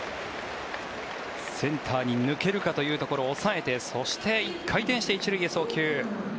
センターに抜けるかというところ押さえてそして、１回転して１塁へ送球。